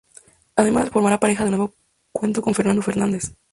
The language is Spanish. Además, formará pareja de nueva cuenta con Fernando Fernández.